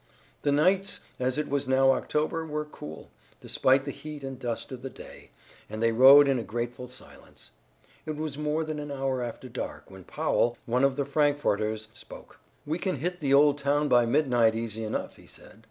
The nights, as it was now October, were cool, despite the heat and dust of the day, and they rode in a grateful silence. It was more than an hour after dark when Powell, one of the Frankforters, spoke: "We can hit the old town by midnight easy enough," he said.